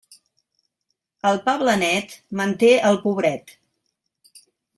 El pa blanet manté el pobret.